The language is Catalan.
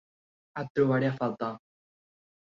Et trobaré a faltar.